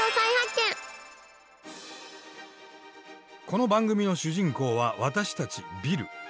この番組の主人公は私たちビル。